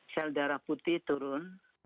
sel darah putih turun